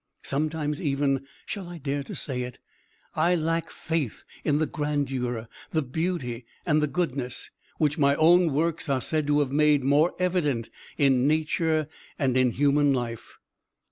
Sometimes even shall I dare to say it? I lack faith in the grandeur, the beauty, and the goodness, which my own works are said to have made more evident in nature and in human life.